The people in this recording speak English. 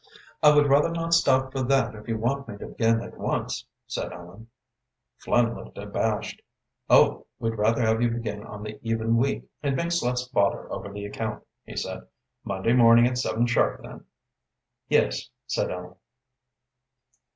"I would rather not stop for that if you want me to begin at once," said Ellen. Flynn looked abashed. "Oh, we'd rather have you begin on the even week it makes less bother over the account," he said. "Monday morning at seven sharp, then." "Yes," said Ellen.